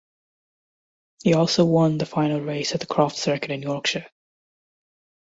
He also won the final race at the Croft circuit in Yorkshire.